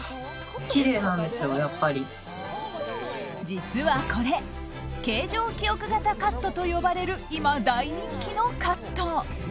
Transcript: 実はこれ形状記憶型カットと呼ばれる今、大人気のカット。